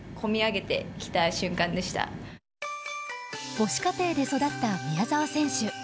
母子家庭で育った宮澤選手。